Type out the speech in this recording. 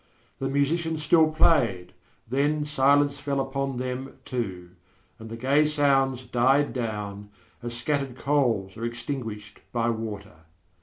The musicians still played; then silence fell upon them, too, and the gay sounds died down, as scattered coals are extinguished by water.